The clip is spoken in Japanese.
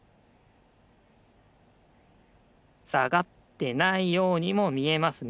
さがってないようにもみえますね。